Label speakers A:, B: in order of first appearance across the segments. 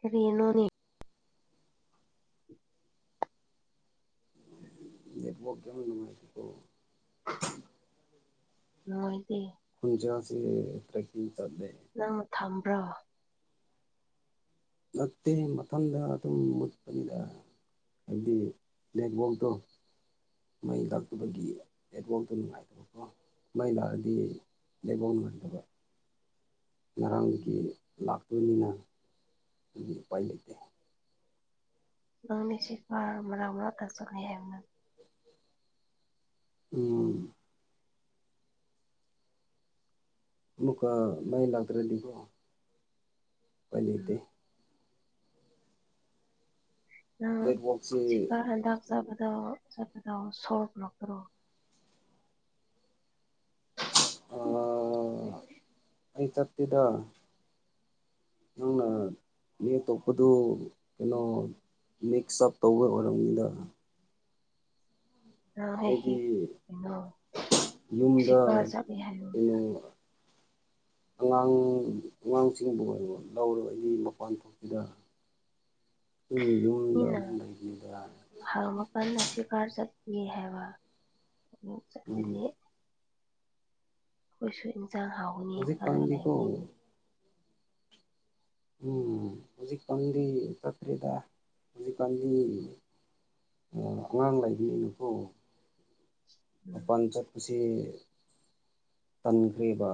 A: ꯀꯔꯤꯅꯣꯅꯤ [unintelligible]
B: network ꯌꯥꯝꯅ ꯅꯨꯡꯉꯥꯏꯇꯦꯀꯣ
A: ꯅꯨꯡꯉꯥꯏꯇꯦ
B: ꯈꯨꯟꯖꯦꯜꯁꯤ ꯇ꯭ꯔꯦꯛꯀꯤꯡ ꯇꯧꯗꯦ
A: ꯅꯪꯅ ꯊꯝꯕ꯭ꯔꯣ
B: ꯅꯠꯇꯦ ꯃꯊꯟꯗꯅ ꯑꯗꯨꯝ ꯃꯨꯠꯄꯅꯤꯗ ꯍꯥꯏꯗꯤ ꯅꯦꯠꯋꯥꯛꯇꯣ ꯃꯩ ꯂꯥꯛꯇꯕꯒꯤ ꯅꯦꯠꯋꯥꯛꯇꯣ ꯅꯨꯡꯉꯥꯏꯇ ꯕꯀꯣ ꯃꯥꯏ ꯂꯥꯛꯑꯗꯤ ꯅꯦꯋꯥꯛ ꯅꯨꯡꯉꯥꯏꯗꯕ ꯉꯔꯥꯡꯗꯒꯤ ꯂꯥꯛꯇꯕꯅꯤꯅ ꯑꯗꯨꯒꯤ ꯎꯄꯥꯏ ꯂꯩꯇꯦ
A: ꯅꯪ ꯃꯦꯁꯦꯁ ꯄꯔꯥ ꯃꯔꯥꯛ ꯃꯔꯥꯛꯇ ꯆꯪꯉꯦ ꯍꯥꯏꯕ ꯅꯪ
B: ꯎꯝ ꯃꯨꯛꯀ ꯃꯥꯏ ꯂꯥꯛꯇ꯭ꯔꯗꯤꯀꯣ ꯎꯄꯥꯏ
A: ꯎꯝ
B: ꯂꯩꯇꯦ
A: ꯅꯪ
B: ꯅꯦꯠꯋꯥꯛꯁꯦ
A: ꯁꯤꯀꯥꯔ ꯍꯟꯗꯛ ꯆꯥꯕꯗꯣ ꯆꯠꯄꯗꯣ ꯁꯣꯛ ꯂꯛꯇ꯭ꯔꯣ
B: ꯑ ꯑꯩ ꯆꯠꯇꯦꯗ ꯅꯪꯅ ꯅ ꯃꯤ ꯑꯇꯣꯄꯗꯨ ꯀꯩꯅꯣ ꯃꯤꯛꯁ ꯑꯞ ꯇꯧꯕ ꯑꯣꯏꯔꯝꯅꯤꯗ
A: [unintelligible]
B: ꯑꯩꯗꯤ
A: ꯀꯩꯅꯣ
B: ꯌꯨꯝꯗ
A: ꯁꯤꯀꯔ ꯆꯠꯂꯤ ꯍꯥꯏꯕꯅꯤꯗ
B: ꯀꯩꯅꯣ
A: [unintelligible]
B: ꯑꯉꯥꯡ ꯑꯉꯥꯡꯁꯤꯡꯕꯨ ꯑꯣꯏꯔꯣ ꯂꯧꯔꯒ ꯑꯩꯗꯤ ꯃꯄꯥꯟ ꯊꯣꯛꯇꯦꯗ
A: [unintelligible]
B: ꯇꯨꯝ ꯌꯨꯝꯗ ꯑꯗꯨꯝ ꯂꯩꯕꯅꯤꯗ
A: ꯍ ꯃꯈꯟꯗ ꯑꯁꯤꯀꯥꯔ ꯆꯠꯄꯅꯤ ꯍꯥꯏꯕ
B: ꯎꯝ
A: ꯆꯠꯂꯅꯤ ꯑꯈꯣꯏꯁꯨ ꯏꯟꯁꯥꯡ ꯍꯥꯎꯒꯅꯤ ꯈꯜꯂꯒ
B: ꯍꯧꯖꯤꯛꯀꯥꯟꯗꯤꯀꯣ
A: ꯂꯩꯕꯅꯤ
B: ꯎꯝ ꯍꯧꯖꯤꯛꯀꯥꯟꯗꯤ ꯆꯠꯇ꯭ꯔꯦꯗ ꯍꯧꯖꯤꯛꯀꯥꯟꯗꯤ ꯑꯣ ꯑꯉꯥꯡ ꯂꯩꯕꯅꯤꯅꯀꯣ
A: ꯎꯝ
B: ꯃꯄꯥꯟ ꯆꯠꯄꯁꯤ ꯇꯟꯈ꯭ꯔꯦꯕ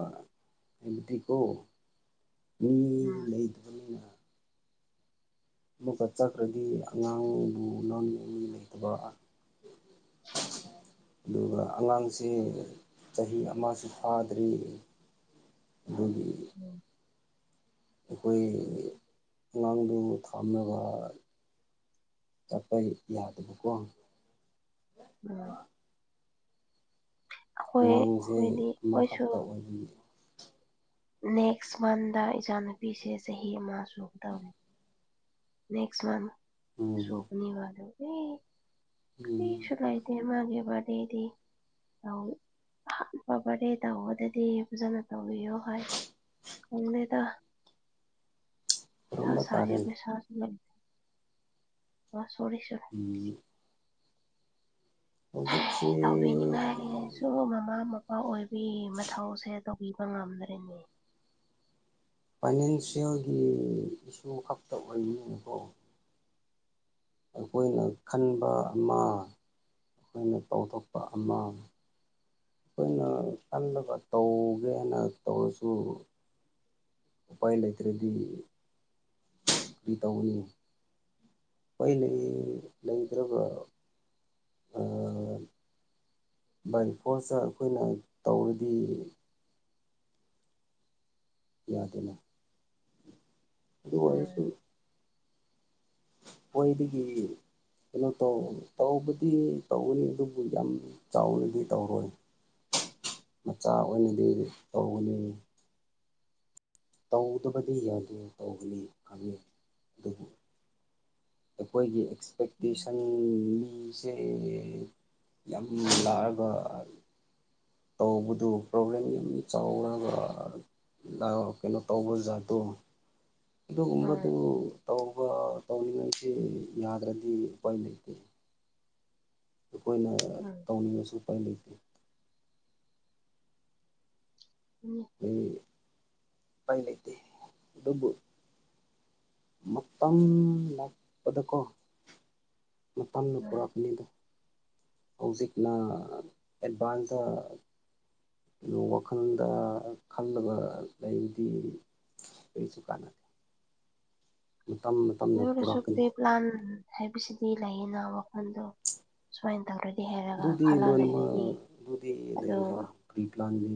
B: ꯍꯥꯏꯕꯗꯤꯀꯣ ꯃꯤ
A: ꯎꯝ ꯎꯝ
B: ꯂꯩꯇꯕꯅꯤꯅ ꯑꯃꯨꯛꯀꯥ ꯆꯠꯈ꯭ꯔꯥꯗꯤ ꯑꯉꯥꯡꯕꯨ ꯂꯧꯅꯤꯉꯥꯏ ꯃꯤ ꯂꯩꯇꯕ ꯑꯗꯨꯒꯥ ꯑꯉꯥꯡꯁꯦ ꯆꯍꯤ ꯑꯃꯁꯨ ꯐꯥꯗ꯭ꯔꯤ ꯑꯗꯨꯒꯤ
A: ꯎꯝ
B: ꯑꯩꯈꯣꯏ ꯑꯉꯥꯡꯗꯨ ꯊꯝꯅꯕ ꯆꯠꯄꯩ ꯌꯥꯗꯕꯀꯣ
A: ꯎꯝ ꯑꯩꯈꯣꯏ
B: ꯑꯉꯥꯡꯖꯦ
A: ꯑꯩꯈꯣꯏꯗꯤ ꯑꯩꯈꯣꯏꯁꯨ
B: ꯑꯃꯈꯛꯇꯥ ꯑꯣꯏꯕꯅꯤ
A: ꯅꯦꯛꯁ ꯃꯟꯗꯥ ꯏꯆꯥꯅꯨꯄꯤꯁꯦ ꯆꯍꯤ ꯑꯃ ꯁꯨꯒꯗꯧꯔꯦ ꯅꯦꯛꯁ ꯃꯟ
B: ꯎꯝ
A: ꯁꯨꯄꯅꯤ ꯕ ꯑꯗꯨꯒꯤ
B: ꯎꯝ
A: ꯀꯔꯤꯁꯨ ꯂꯩ ꯇꯦ ꯃꯥꯒꯤ ꯕꯥꯔꯤꯗꯦꯗꯤ ꯇꯧ ꯑꯍꯥꯟꯕ ꯕꯥꯔꯠꯗꯦ ꯇꯧꯕꯗꯗꯤ ꯐꯖꯅ ꯇꯧꯕꯤꯌꯣ ꯍꯥꯏ ꯅꯤꯜꯂꯦꯗꯥ ꯊꯥ
B: ꯈꯨꯔꯨꯝꯕ
A: ꯁꯥꯏꯌꯦ
B: ꯇꯥꯔꯦ
A: ꯄꯩꯁꯥꯁꯨ ꯂꯩ ꯑꯣ ꯁꯣꯔꯤ ꯁꯨ
B: ꯎꯝ ꯍꯧꯖꯤꯛꯁꯤ
A: ꯁꯥꯎꯕꯤꯅꯤꯉꯥꯏ ꯗꯨꯕꯨ ꯃꯃꯥ ꯃꯄꯥ ꯑꯣꯏꯕꯤ ꯃꯊꯧꯁꯦ ꯇꯧꯕꯤꯕ ꯉꯝꯗ꯭ꯔꯦꯅꯦ
B: ꯐꯥꯏꯅꯥꯟꯁꯤꯑꯌꯦꯜꯒꯤ ꯏꯁꯨ ꯈꯛꯇꯥ ꯑꯣꯏꯕꯅꯤꯅꯀꯣ ꯑꯩꯈꯣꯏꯅ ꯈꯟꯕ ꯑꯃ ꯑꯩꯈꯣꯏꯅ ꯇꯧꯊꯣꯛꯄ ꯑꯃ ꯈꯣꯏꯅ ꯀꯜꯂꯒꯥ ꯇꯧꯒꯦ ꯍꯥꯏꯅ ꯇꯧꯔꯁꯨ ꯎꯄꯥꯏ ꯂꯩꯇ꯭ꯔꯥꯗꯤ [inaudible] ꯀ꯭ꯔꯤ ꯇꯧꯒꯅꯤ ꯍꯣꯏꯂꯩ ꯂꯩꯇ꯭ꯔꯥꯒ ꯑꯥ ꯕꯥꯏ ꯐꯣꯔꯁꯇꯥ ꯑꯈꯣꯏꯅ ꯇꯧꯔꯗꯤ ꯌꯥꯗꯦꯅꯦ ꯑꯗꯨ
A: ꯎꯝ
B: ꯑꯣꯏꯔꯁꯨ ꯈ꯭ꯋꯥꯏꯗꯥꯒꯤ ꯀꯩꯅꯣ ꯇꯧ ꯇꯧꯕꯗꯤ ꯇꯧꯒꯥꯅꯤ ꯑꯗꯨꯕꯨ ꯌꯥꯝ ꯆꯥꯎꯅꯗꯤ ꯇꯧꯔꯣꯏ ꯃꯆꯥ ꯑꯣꯏꯅꯗꯤ ꯇꯧꯒꯥꯅꯤ ꯇꯧꯗꯕꯗꯤ ꯌꯥꯗꯦ ꯇꯧꯒꯥꯅꯤ ꯈꯪꯉꯦ ꯑꯗꯨꯕꯨ ꯑꯩꯈꯣꯏꯒꯤ
A: ꯎꯝ
B: ꯑꯦꯛꯁꯄꯦꯛꯇꯦꯁꯟ ꯃꯨꯡ ꯃꯤꯖꯦ ꯌꯥꯝ ꯂꯥꯔꯑꯒꯥ ꯇꯧꯕꯗꯨ ꯄ꯭ꯔꯣꯕ꯭ꯂꯦꯝ ꯌꯥꯝꯅ ꯆꯥꯎꯔꯒꯥ ꯗꯥꯎ ꯀꯩꯅꯣ ꯇꯧꯕ ꯖꯥꯠꯇꯣ ꯑꯗꯨꯒꯨꯝꯕꯗꯨ
A: ꯎꯝ
B: ꯇꯧꯕ ꯇꯧꯔꯤꯉꯩꯁꯤ ꯌꯥꯗ꯭ꯔꯥꯗꯤ ꯎꯄꯥꯏ ꯂꯩꯇꯦ ꯑꯩꯈꯣꯏꯅ
A: ꯎꯝ
B: ꯇꯧꯅꯤꯡꯉꯁꯨ ꯎꯄꯥꯏ ꯂꯩꯇꯦ
A: ꯎꯝ
B: ꯃꯤ ꯄꯥꯏ ꯂꯩꯇꯦ ꯑꯗꯨꯕꯨ ꯃꯇꯝ ꯂꯥꯛꯄꯗꯥꯀꯣ ꯃꯇꯝꯅ ꯄꯣꯔꯛꯀꯥꯅꯤꯗꯥ ꯍꯧꯖꯤꯛꯅ ꯑꯦꯗꯚꯥꯟ ꯇꯥ ꯂꯨ ꯋꯥꯈꯜꯗꯥ ꯈꯜꯂꯒ ꯂꯩꯗꯤ ꯀꯩꯁꯨꯨ ꯀꯥꯟꯅ ꯃꯇꯝ ꯃꯇꯝ
A: ꯑꯗꯨ ꯑꯣꯏꯔꯁꯨ ꯄ꯭ꯔꯤ ꯄ꯭ꯂꯥꯟ ꯍꯥꯏꯕꯁꯤꯗꯤ ꯂꯩꯌꯦꯅ ꯋꯥꯈꯜꯗꯣ ꯁꯨꯃꯥꯏꯟ ꯇꯧꯔꯗꯤ ꯍꯥꯏꯔꯒ
B: ꯑꯗꯨꯗꯤ
A: ꯈꯜꯂ ꯂꯩꯔꯗꯤ ꯑꯗꯨ
B: ꯀꯔꯤ ꯄ꯭ꯂꯥꯟ ꯒꯤ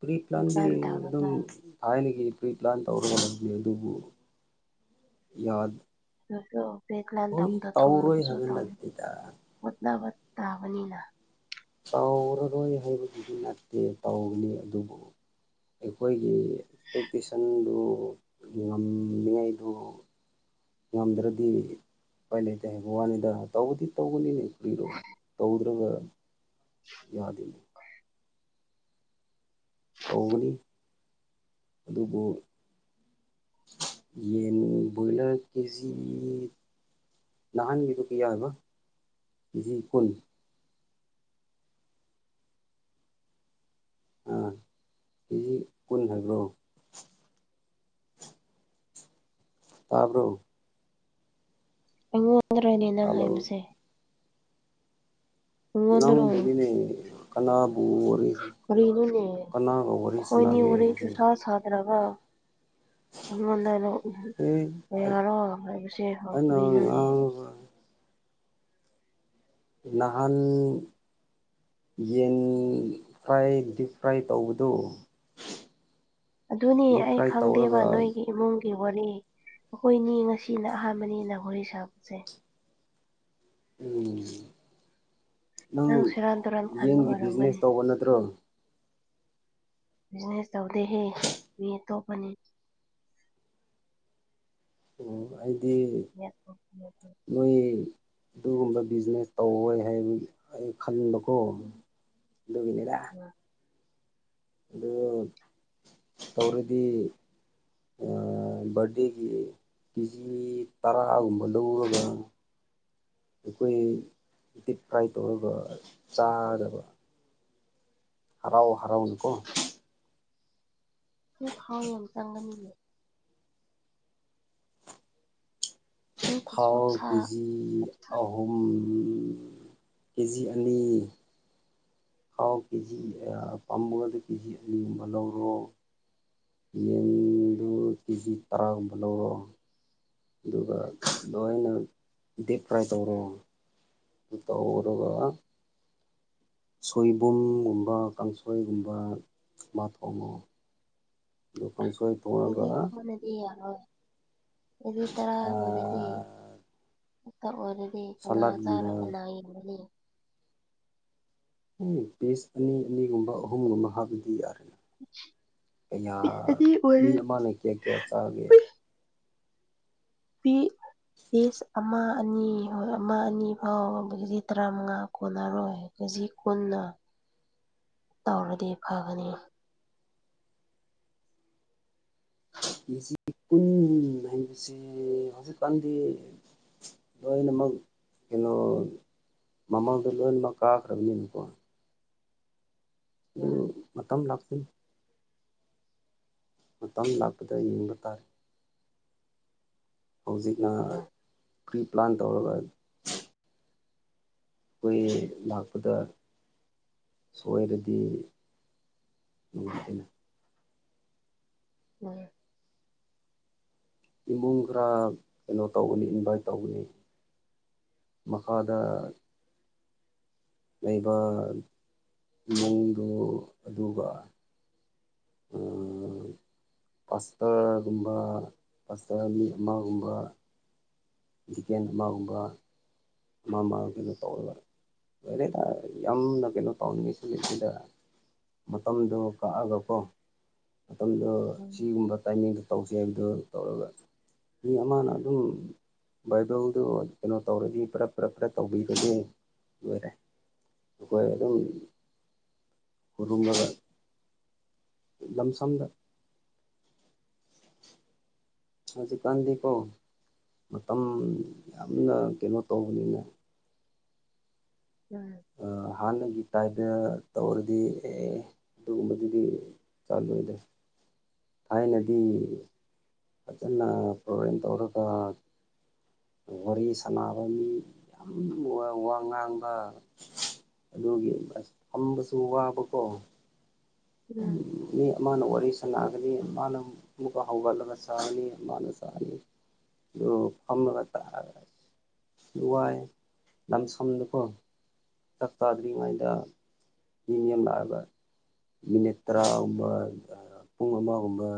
B: ꯄ꯭ꯔꯤ ꯄ꯭ꯂꯥꯟꯗꯤ
A: ꯄ꯭ꯂꯥꯟ
B: ꯑꯗꯨꯝ
A: ꯇꯧꯔꯒ
B: ꯊꯥꯏꯅꯒꯤ ꯄ꯭ꯔꯤ ꯄ꯭ꯂꯥꯟ ꯇꯧꯔꯒꯅꯤ ꯑꯗꯨꯕꯨ ꯌꯥꯗ
A: [unintelligible] ꯕꯦꯛ ꯄ꯭ꯂꯥꯟ
B: ꯍꯣꯏ
A: ꯇꯧꯕꯗ
B: ꯇꯧꯔꯣꯏ
A: ꯊꯣꯡꯅꯕꯁꯨ
B: ꯍꯥꯏꯕ
A: ꯇꯧꯋꯦ
B: ꯅꯠꯇꯦꯗ
A: ꯍꯣꯠꯅꯕ ꯇꯥꯕꯅꯤꯅ
B: ꯇꯧꯔꯔꯣꯏ ꯍꯥꯏꯕꯗꯨꯗꯤ ꯅꯠꯇꯦ ꯇꯧꯅꯤ ꯑꯗꯨꯕꯨ ꯑꯩꯈꯣꯏꯒꯤ ꯑꯦꯛꯁꯄꯦꯛꯇꯦꯁꯟꯗꯨ ꯉꯝꯃꯤꯉꯩꯗꯨ ꯉꯝꯗ꯭ꯔꯗꯤ ꯎꯄꯥꯏ ꯂꯩꯇꯦ ꯍꯥꯏꯕ ꯋꯥꯅꯤꯗ ꯇꯧꯕꯗꯤ ꯇꯧꯒꯅꯤ ꯎꯝ ꯇꯧꯗ꯭ꯔꯒ
A: [inaudible]
B: ꯌꯥꯗꯦ ꯇꯧꯒꯅꯤ ꯑꯗꯨꯕꯨ ꯌꯦꯟ ꯕ꯭ꯔꯣꯏꯂꯔ ꯀꯦꯖꯤ ꯅꯍꯥꯟꯒꯤꯗꯨ ꯀꯤꯌꯥ ꯍꯥꯏꯕ ꯀꯦꯖꯤ ꯀꯨꯟ ꯎꯝ ꯀꯦꯖꯤ ꯀꯨꯟ ꯍꯥꯏꯕ꯭ꯔꯣ ꯇꯥꯕ꯭ꯔꯣ
A: ꯑꯩꯉꯣꯟꯗꯔꯅꯦ ꯅꯪ
B: ꯍꯜꯂꯣ
A: ꯍꯥꯏꯕꯁꯦ ꯑꯩꯉꯣꯟꯗꯔꯣ
B: ꯅꯪꯕꯨꯅꯤꯅꯦ ꯀꯅꯥꯕꯨ ꯑꯣꯏꯔꯤ
A: ꯀꯔꯤꯅꯣꯅꯦ ꯑꯈꯣꯏꯅꯤ ꯍꯣꯔꯦꯟꯁꯨꯨ
B: ꯍꯧꯖꯤꯛ
A: ꯁꯥ ꯁꯥꯗꯅꯒꯣ ꯑꯩꯉꯣꯟꯗ ꯂꯣ
B: ꯑꯦ
A: ꯀꯌꯥꯔꯣ ꯍꯥꯏꯕꯁꯦ ꯍꯧꯔꯛ ꯀꯔꯤꯅꯣꯅꯦ
B: ꯍꯣ ꯍꯣꯏ ꯅꯍꯥꯟ ꯌꯦꯟ ꯐ꯭ꯔꯥꯏ ꯗꯤꯞ ꯐ꯭ꯔꯥꯏ ꯇꯧꯕꯗꯨ
A: ꯑꯗꯨꯅꯤ
B: ꯗꯤꯞ
A: ꯑꯩ
B: ꯐ꯭ꯔꯥꯏ
A: ꯈꯪꯗꯦꯕ
B: ꯇꯧꯔꯒ
A: ꯅꯣꯏꯒꯤ ꯏꯃꯨꯡꯒꯤ ꯋꯥꯔꯤ ꯑꯩꯈꯣꯏꯅꯤ ꯉꯁꯤꯅ ꯑꯍꯥꯟꯕꯅꯤꯅ ꯋꯥꯔꯤ ꯁꯥꯕꯁꯦ
B: ꯎꯝ ꯅꯪ
A: ꯁꯦꯔꯥꯟ ꯇꯨꯔꯥꯟ ꯈꯟꯕ
B: ꯌꯦꯟꯒꯤ ꯕꯤꯖꯤꯅꯦꯁ
A: ꯑꯣꯏꯔꯝꯒꯅꯤ
B: ꯇꯧꯕ ꯅꯠꯇ꯭ꯔꯣ
A: ꯕꯤꯖꯤꯅꯦꯁ ꯇꯧꯗꯦꯍꯦ ꯃꯤ ꯑꯇꯣꯞꯄꯅꯤ
B: ꯑꯣ ꯑꯩꯗꯤ ꯅꯣꯏ ꯑꯗꯨꯒꯨꯝꯕ ꯕꯤꯖꯤꯅꯦꯁ ꯇꯧꯔꯣꯏ ꯍꯥꯏꯕꯒꯤ ꯑꯩ ꯈꯟꯕꯀꯣ ꯑꯗꯨꯒꯤꯅꯤꯗ
A: ꯎꯝ
B: ꯑꯗꯨ ꯇꯧꯔꯗꯤ ꯑꯥ ꯕꯥꯔꯗꯦꯒꯤ ꯀꯤꯖꯤ ꯇꯔꯥꯒꯨꯝꯕ ꯂꯧꯔꯒ ꯑꯩꯈꯣꯏ ꯗꯤꯞ ꯐ꯭ꯔꯥꯏ ꯇꯧꯔꯒ ꯆꯥꯅꯕ ꯍꯔꯥꯎ ꯍꯔꯥꯎꯅꯀꯣ
A: ꯎꯝ ꯍꯦ ꯇꯥꯎ ꯌꯥꯝ ꯆꯪꯒꯅꯤꯌꯦ ꯅꯪꯒꯤ
B: ꯊꯥꯎ
A: ꯆꯣꯛꯁꯥ
B: ꯀꯦꯖꯤ ꯑꯍꯨꯝ ꯀꯦꯖꯤ ꯑꯅꯤ ꯊꯥꯎ ꯀꯦꯖꯤ ꯑ ꯄꯥꯝꯃꯒꯗ ꯀꯦꯖꯤ ꯑꯅꯤ ꯑꯃ ꯂꯧꯔꯣ ꯌꯦꯟꯗꯨ ꯀꯦꯖꯤ ꯇꯔꯥꯒꯨꯝꯕ ꯂꯧꯔꯣ ꯑꯗꯨꯒ ꯂꯣꯏꯅ ꯗꯤꯞ ꯐ꯭ꯔꯥꯏ ꯇꯧꯔꯣ ꯑꯗꯨ ꯇꯧꯔꯒ ꯁꯣꯏꯕꯨꯝꯒꯨꯝꯕ ꯀꯥꯡꯁꯣꯏꯒꯨꯝꯕ ꯑꯃ ꯊꯣꯡꯉꯣ ꯑꯗꯨ ꯀꯥꯡꯁꯣꯏ ꯊꯣꯡꯉꯒ
A: [unintelligible] ꯌꯥꯔꯣꯏ ꯑꯣꯒꯤ ꯇꯔꯥ ꯑꯣꯏꯅꯗꯤ ꯃꯀꯛ ꯑꯣꯏꯔꯗꯤ ꯀꯅꯥ ꯆꯥꯔ
B: ꯁꯂꯥꯠꯒꯨꯝꯕ
A: ꯀꯅꯥ ꯌꯦꯟꯕꯅꯤ
B: ꯎ ꯄꯤꯁ ꯑꯅꯤ ꯑꯅꯤꯒꯨꯝꯕ ꯑꯍꯨꯝꯒꯨꯝꯕ ꯍꯥꯞꯕꯗꯤ ꯌꯥꯔꯦ ꯀꯌꯥ
A: ꯑꯅꯤ
B: ꯃꯤ
A: ꯑꯣꯏꯔꯦ
B: ꯑꯃꯅ ꯀꯌꯥ ꯀꯌꯥ ꯆꯥꯒꯦ
A: ꯄꯨꯏ ꯄꯤ ꯄꯤꯁ ꯑꯃ ꯑꯅꯤ ꯍꯣꯏ ꯑꯃ ꯑꯅꯤ ꯐꯥꯎꯕ ꯀꯦꯖꯤ ꯇꯔꯥꯃꯉꯥ ꯀꯣꯟꯅꯔꯣꯏ ꯀꯦꯖꯤ ꯀꯨꯟꯅ ꯇꯧꯔꯗꯤ ꯐꯒꯅꯤ
B: ꯀꯦꯖꯤ ꯀꯟ ꯍꯥꯏꯕꯁꯦ ꯍꯧꯖꯤꯛꯀꯥꯟꯗꯤ ꯂꯣꯏꯅꯃ ꯀꯩꯅꯣ ꯃꯃꯥꯡꯗ ꯂꯣꯏꯅꯃꯛ ꯀꯥꯈ꯭ꯔꯕꯅꯦꯕ ꯀꯣ ꯑꯗꯨ ꯃꯇꯝ ꯂꯥꯛꯆꯅꯤ ꯃꯇꯝ ꯂꯥꯛꯄꯗ ꯌꯦꯡꯕ ꯇꯥꯔꯦ ꯍꯧꯖꯤꯛꯅ
A: ꯎꯝ
B: ꯄ꯭ꯔꯤ ꯄ꯭ꯂꯥꯟ ꯇꯧꯔꯒ ꯑꯩꯈꯣꯏ ꯂꯥꯛꯄꯗ ꯁꯣꯏꯔꯗꯤ ꯅꯨꯉꯥꯏꯇꯦꯅꯦ
A: ꯎꯝ
B: ꯏꯃꯨꯡ ꯈꯔ ꯀꯩꯅꯣ ꯇꯧꯒꯅꯤ ꯏꯟꯚꯥꯏꯠ ꯇꯧꯒꯅꯤ ꯃꯈꯥꯗ ꯂꯩꯕ ꯃꯑꯣꯡꯗꯨ ꯑꯗꯨꯒ ꯄꯥꯁꯇꯒꯨꯝꯕ ꯄꯥꯁꯇ ꯃꯤ ꯑꯃꯒꯨꯝꯕ ꯆꯤꯀꯦꯟ ꯑꯃꯒꯨꯝꯕ ꯃꯥ ꯃꯥ ꯀꯩꯅꯣ ꯇꯧꯔ ꯂꯣꯏꯔꯦꯗ ꯌꯥꯝꯅ ꯀꯩꯅꯣ ꯇꯧꯅꯤꯡꯉ ꯁꯨ ꯂꯩꯇꯦꯗ ꯃꯇꯝꯗꯨꯣ ꯀꯛꯑꯒꯀꯣ ꯃꯇꯝꯗꯣ
A: ꯎꯝ
B: ꯁꯤꯒꯨꯝꯕ ꯇꯥꯏꯃꯤꯡ ꯇꯧꯁꯦꯕꯗꯣ ꯇꯧꯔꯒ ꯃꯤ ꯑꯃꯅ ꯑꯗꯨꯝ ꯕꯥꯏꯕꯜꯗꯨ ꯀꯩꯅꯣ ꯇꯧꯔꯗꯤ ꯄꯨꯂꯞ ꯈꯔ ꯈꯔ ꯇꯧꯕꯤꯕꯒꯤ ꯂꯣꯏꯔꯦ ꯑꯩꯈꯣꯏ ꯑꯗꯨꯝ ꯈꯨꯅꯨꯉꯕ ꯂꯝ ꯁꯝꯗ ꯍꯧꯖꯤꯛꯀꯥꯟꯗꯤꯀꯣ ꯃꯇꯝ ꯌꯥꯝꯅ ꯀꯩꯅꯣ ꯇꯧꯕꯅꯤꯅ
A: [unintelligible]
B: ꯍꯥꯟꯅꯒꯤ ꯇꯥꯏꯞꯇ ꯇꯧꯔꯗꯤ ꯑꯦ ꯑꯗꯨꯒꯨꯝꯕꯗꯨꯗꯤ ꯆꯂꯣꯏꯗ ꯊꯥꯏꯅꯗꯤ ꯐꯖꯟꯅ ꯄ꯭ꯔꯣꯚꯦꯟ ꯇꯧꯔꯒ ꯋꯥꯔꯤ ꯁꯥꯟꯅꯕ ꯃꯤ ꯌꯥꯝ ꯋꯥ ꯉꯥꯡꯕ ꯑꯗꯨꯒꯤ ꯑꯁ ꯐꯝꯕꯁꯨ ꯋꯥꯕꯀꯣ ꯊꯝ
A: ꯎꯝ
B: ꯃꯤ ꯃꯥꯅ ꯋꯥꯔꯤ ꯁꯥꯟꯅꯒꯅꯤ ꯃꯥꯅ ꯑꯃꯨꯛꯀ ꯍꯧꯒꯠꯂꯒ ꯆꯥꯔꯅꯤ ꯃꯥꯅ ꯆꯥꯔꯅꯤ ꯑꯗꯨ ꯐꯥꯝꯂꯇꯥ ꯋꯥꯥꯏ ꯂꯝꯁꯝꯗꯀꯣ ꯆꯥꯛ ꯆꯥꯗ꯭ꯔꯤꯉꯩꯗ ꯃꯤꯅꯤ ꯑꯃ ꯂꯥꯛꯑꯒ ꯃꯤꯅꯤꯠ ꯇꯔꯥꯒꯨꯝꯕ ꯄꯨꯡ ꯑꯃꯒꯨꯝꯕ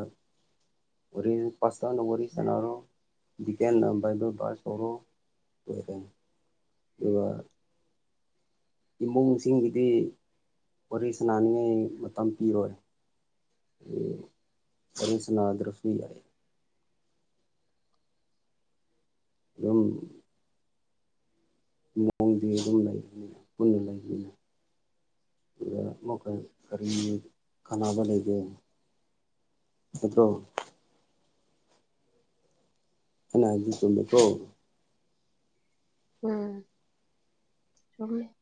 B: ꯍꯣꯔꯦꯜ ꯄꯥꯆꯅ ꯋꯥꯔꯤꯔꯤ
A: ꯎꯝ
B: ꯁꯅꯔꯣ ꯗꯤꯀꯦꯟ ꯅꯝꯕꯔꯗꯣ ꯄꯥꯁ ꯇꯧꯔꯣ [unintelligible] ꯑꯗꯨꯒ ꯏꯃꯨꯡꯁꯤꯡꯒꯤꯗꯤ ꯋꯥꯔꯤ ꯁꯅꯥꯅꯤꯡꯉꯦ ꯇꯝꯄꯤꯔꯣꯏ ꯋꯥꯔꯤ ꯁꯅꯥꯗꯔꯁꯨ ꯌꯥꯏ ꯌꯨꯝ ꯃꯑꯣꯡꯗꯤ ꯑꯗꯨꯝ ꯂꯩꯕꯅꯤꯅ ꯄꯨꯟꯅ ꯂꯩꯕꯅꯤꯅ ꯑꯗꯨꯒ ꯃꯈꯣꯏ ꯀꯔꯤ ꯀꯥꯟꯅꯕ ꯂꯩꯒꯦ ꯅꯠꯇ꯭ꯔꯣ ꯑꯩꯅ ꯍꯥꯏꯕꯗꯤ ꯆꯨꯝꯃꯦ ꯀꯣ
A: ꯎꯝ ꯆꯨꯝꯃꯦ